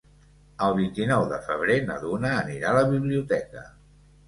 El vint-i-nou de febrer na Duna anirà a la biblioteca.